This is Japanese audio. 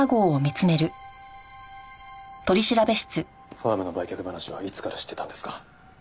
ファームの売却話はいつから知ってたんですか？